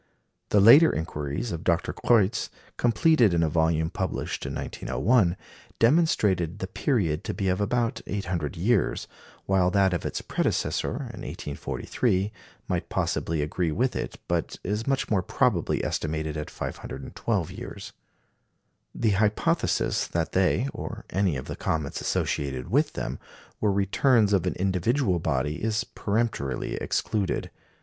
The later inquiries of Dr. Kreutz, completed in a volume published in 1901, demonstrated the period to be of about 800 years, while that of its predecessor in 1843 might possibly agree with it, but is much more probably estimated at 512 years. The hypothesis that they, or any of the comets associated with them, were returns of an individual body is peremptorily excluded.